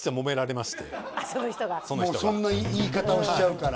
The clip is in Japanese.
その人がそんな言い方をしちゃうから？